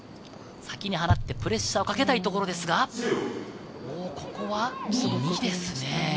先に放ってプレッシャーをかけたいところですが、ここは２点ですね。